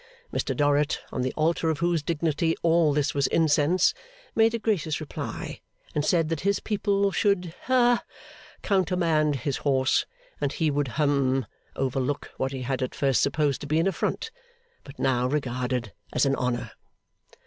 Mr Dorrit, on the altar of whose dignity all this was incense, made a gracious reply; and said that his people should ha countermand his horses, and he would hum overlook what he had at first supposed to be an affront, but now regarded as an honour.